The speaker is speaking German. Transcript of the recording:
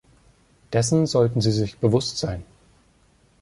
Dessen sollten Sie sich bewusst sein.